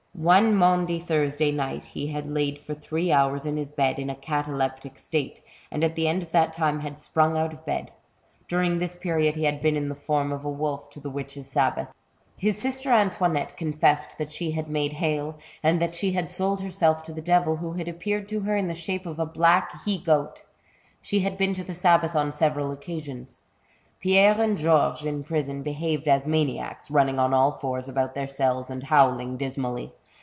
One Maundy Thursday night he had lain for three hours in his bed in a cataleptic state, and at the end of that time had sprung out of bed. During this period he had been in the form of a wolf to the witches' sabbath. 80 THE BOOK OF WERE WOLVES. His sistor Antoinnctte confessed that she had made hail, and that she had sold herself to the devil, who had appeared to her in the shape of a black he goat. She had been to the sabbath on several occasions. Pierre and Georges in prison behaved as maniacs, running on all fours about their cells and howling dismally.